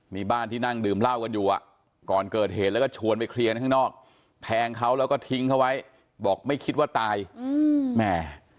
มีบ้านที่นั่งดื่มเหล้ากันอยู่อ่ะก่อนเกิดเหตุแล้วก็ชวนไปเคลียร์ข้างนอกแทงเขาแล้วก็ทิ้งเขาไว้บอกไม่คิดว่าตายอืมแม่